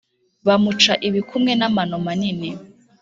bamuca ibikumwe n’amano manini.